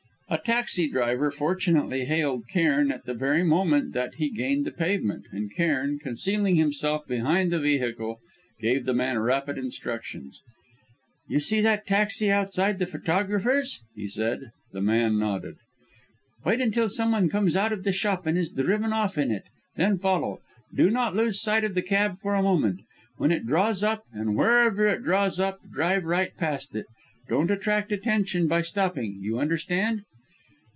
A taxi driver fortunately hailed Cairn at the very moment that he gained the pavement; and Cairn, concealing himself behind the vehicle, gave the man rapid instructions: "You see that taxi outside the photographer's?" he said. The man nodded. "Wait until someone comes out of the shop and is driven off in it; then follow. Do not lose sight of the cab for a moment. When it draws up, and wherever it draws up, drive right past it. Don't attract attention by stopping. You understand?"